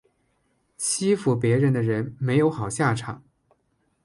欺负别人的人没有好下场